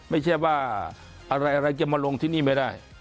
ไม่ใช่ว่าอะไรจะมาลงที่นี่ไม่ได้